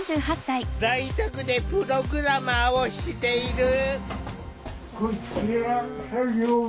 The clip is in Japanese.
在宅でプログラマーをしている。